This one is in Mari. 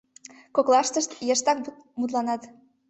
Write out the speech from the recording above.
Коклаштышт йыштак мутланат: